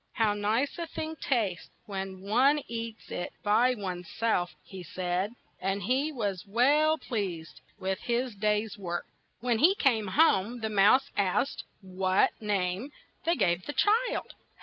"How nice a thing tastes when one eats it by one's self," he said, and he was well pleased with his day's work. When he came home, the mouse asked what name they gave this child.